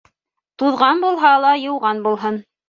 Туҙған булһа ла йыуған булһын.